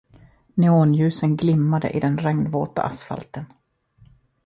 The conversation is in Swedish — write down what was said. Neonljusen glimmade i den regnvåta asfalten.